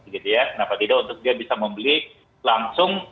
kenapa tidak untuk dia bisa membeli langsung